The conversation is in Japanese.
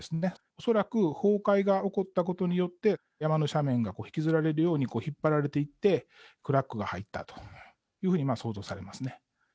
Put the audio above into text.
恐らく崩壊が起こったことによって、山の斜面がこう、引きずられるように引っ張られていって、クラックが入ったというふうに想像されますね。